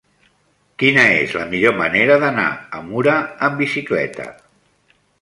Quina és la millor manera d'anar a Mura amb bicicleta?